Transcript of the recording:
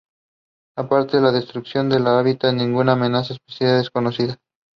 Construction of the golf course was underway later that year.